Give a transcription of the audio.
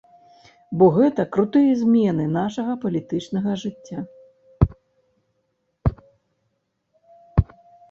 Бо гэта крутыя змены нашага палітычнага жыцця.